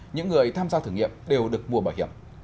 những người tham gia thử nghiệm đều được mua bảo hiểm